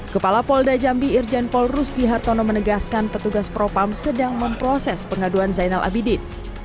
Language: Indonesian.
kepala polres tebo da jambi irjen polruski hartono menegaskan petugas pro pampol sedang memproses pengaduan zainal abidin